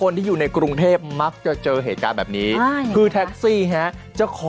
มิตเตอร์หรือเปล่า